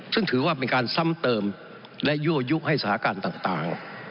ซึ่งถือว่าเป็นการซ้ำเติมและยั่วยุให้สถานการณ์ต่าง